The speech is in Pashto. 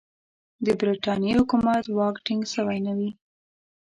د برټانیې حکومت واک ټینګ سوی نه وي.